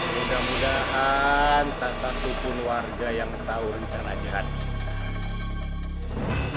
mudah mudahan tak satupun warga yang tahu rencana jerat